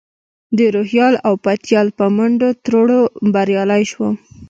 د روهیال او پتیال په منډو ترړو بریالی شوم.